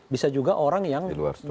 bisa juga orang yang